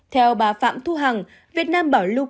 theo bà phạm thu hằng việt nam bảo lục